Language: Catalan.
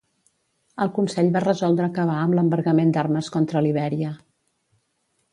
El Consell va resoldre acabar amb l'embargament d'armes contra Libèria.